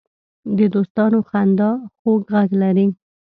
د دوستانو خندا خوږ غږ لري